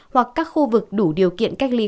hoặc các khu vực đủ điều kiện cách lấy